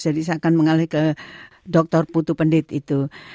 jadi saya akan mengalih ke dokter putu pendit itu